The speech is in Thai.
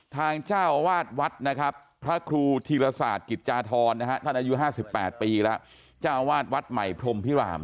ทางเจ้าอาวาสวัดนะครับพระครูธีรศาสตร์กิจจาธรนะฮะท่านอายุ๕๘ปีแล้วเจ้าวาดวัดใหม่พรมพิราม